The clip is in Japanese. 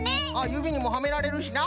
ゆびにもはめられるしな！